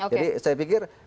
jadi saya pikir